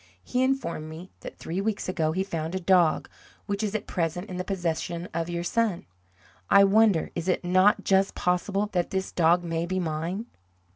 He informed me that three weeks ago he found a dog, which is at present in the possession of your son. I wonder is it not just possible that this dog may be mine?"